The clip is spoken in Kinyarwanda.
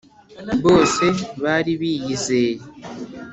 Bose bari biyizeye